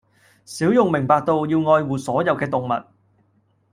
小勇明白到要愛護所有嘅動物